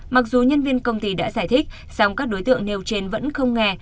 mặc dù nhân viên công ty đã giải thích song các đối tượng nêu trên vẫn không nghe